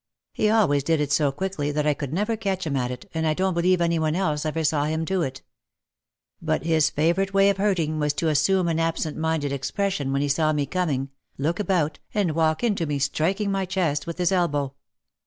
He always did it so quickly that I could never catch him at it and I don't believe any one else ever saw him do it. But his fa vourite way of hurting was to assume an absent minded expression wiien he saw me coming, look about, and walk into me, striking my chest with his elbow.